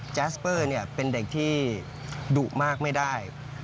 แสสเปอร์เป็นเด็กที่ดุมากไม่ได้